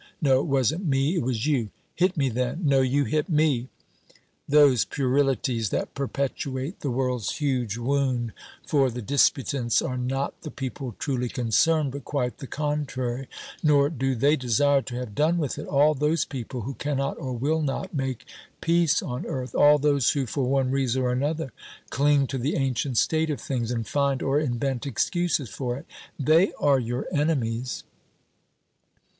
"No, it wasn't me, it was you!" "Hit me then!" "No, you hit me!" those puerilities that perpetuate the world's huge wound, for the disputants are not the people truly concerned, but quite the contrary, nor do they desire to have done with it; all those people who cannot or will not make peace on earth; all those who for one reason or another cling to the ancient state of things and find or invent excuses for it they are your enemies!